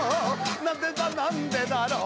「なんでだなんでだろう」